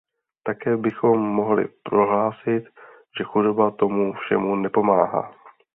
Také bychom mohli prohlásit, že chudoba tomu všemu nepomáhá.